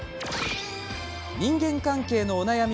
人間関係のお悩み